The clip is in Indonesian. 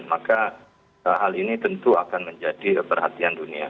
maka hal ini tentu akan menjadi perhatian dunia